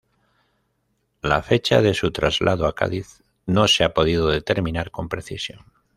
La fecha de su traslado a Cádiz, no se ha podido determinar con precisión.